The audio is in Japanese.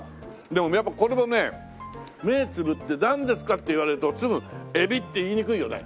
でもやっぱこれもね目つむって「なんですか？」って言われるとすぐ「えび」って言いにくいよね。